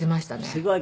すごい。